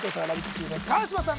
チーム川島さん